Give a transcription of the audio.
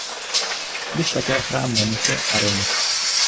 Viz také chrám Venuše a Romy.